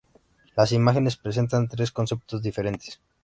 Las imágenes presentan tres conceptos diferentes.